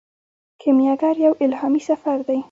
کیمیاګر یو الهامي سفر دی.